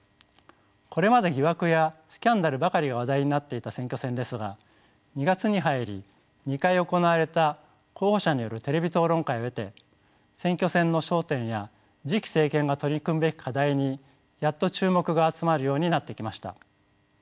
これまで疑惑やスキャンダルばかりが話題になっていた選挙戦ですが２月に入り２回行われた候補者によるテレビ討論会を経て選挙戦の争点や次期政権が取り組むべき課題にやっと注目が集まるようになってきました。